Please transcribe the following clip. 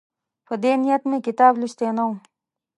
په دې نیت مې کتاب لوستی نه وو.